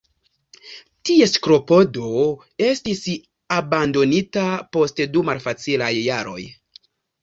Ties klopodo estis abandonita post du malfacilaj jaroj.